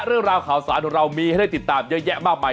เรื่องราวข่าวสารของเรามีให้ได้ติดตามเยอะแยะมากมาย